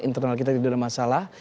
internal kita tidak ada masalah